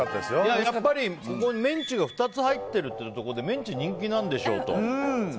やっぱりメンチが２つ入ってるというところでメンチ、人気なんでしょうと。